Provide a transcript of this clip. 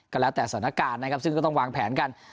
ก็แล้วแต่สถานการณ์นะครับซึ่งก็ต้องวางแผนกัน